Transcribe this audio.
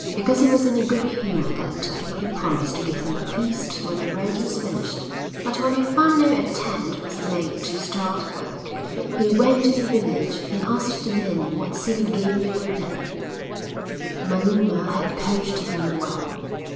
Because he was in a good humour that day he promised to give them a feast when the road was finished. But when he found that no attempt was made to start work, he went to the village and asked the men what silly game they were playing. Manuma had coached them well.